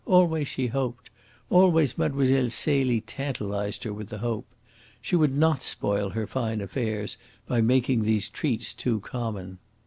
Always she hoped. Always Mlle. Celie tantalised her with the hope. She would not spoil her fine affairs by making these treats too common.'